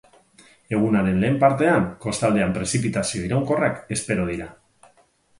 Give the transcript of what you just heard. Egunaren lehen partean kostaldean prezipitazio iraunkorrak espero dira.